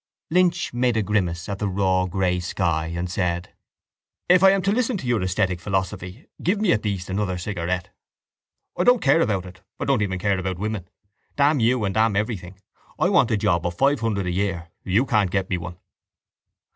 Lynch made a grimace at the raw grey sky and said: —If I am to listen to your esthetic philosophy give me at least another cigarette. I don't care about it. I don't even care about women. Damn you and damn everything. I want a job of five hundred a year. You can't get me one.